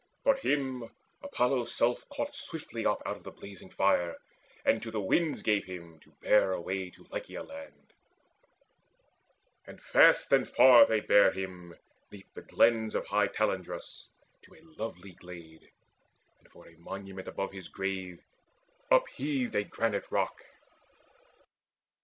But him Apollo's self caught swiftly up Out of the blazing fire, and to the winds Gave him, to bear away to Lycia land; And fast and far they bare him, 'neath the glens Of high Telandrus, to a lovely glade; And for a monument above his grave Upheaved a granite rock.